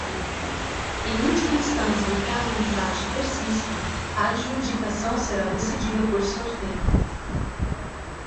Em última instância e caso o empate persista, a adjudicação será decidida por sorteio.